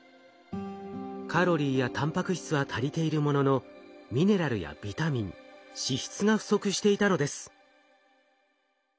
カロリーやたんぱく質は足りているもののミネラルやビタミン脂質が不足していたのです。